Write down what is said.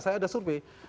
saya ada survei